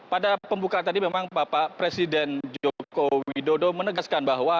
pada pembukaan tadi memang bapak presiden joko widodo menegaskan bahwa